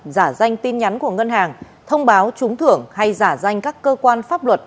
giả danh tin nhắn của ngân hàng thông báo trúng thưởng hay giả danh các cơ quan pháp luật